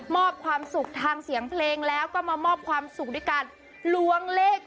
ความสุขทางเสียงเพลงแล้วก็มามอบความสุขด้วยการล้วงเลข